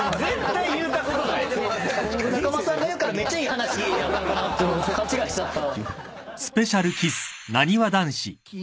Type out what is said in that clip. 仲間さんが言うからめっちゃいい話やったんかなと勘違いしちゃった。